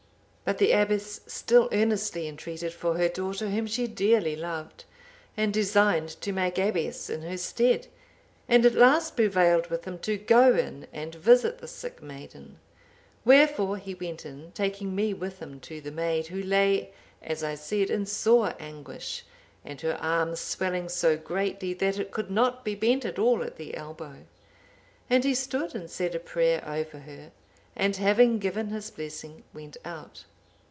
"But the abbess still earnestly entreated for her daughter, whom she dearly loved, and designed to make abbess in her stead,(783) and at last prevailed with him to go in and visit the sick maiden. Wherefore he went in, taking me with him to the maid, who lay, as I said, in sore anguish, and her arm swelling so greatly that it could not be bent at all at the elbow; and he stood and said a prayer over her, and having given his blessing, went out.